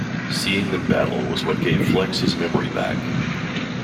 Seeing them battle was what gave Flex his memory back.